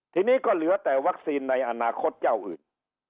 ทีนี้ก็เหลือแต่วัคซีนในอนาคตเจ้าอื่น